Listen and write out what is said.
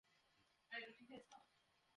Please বল তোমার কাছে কাগজ আছে।